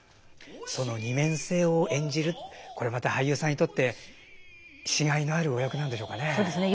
その二面性を演じるこれまた俳優さんにとってしがいのあるお役なんでしょうかね。